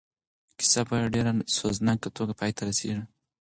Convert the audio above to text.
کیسه په ډېره سوزناکه توګه پای ته رسېږي.